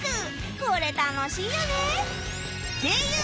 これ楽しいよね！